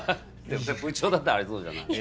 でも部長だったらありそうじゃない？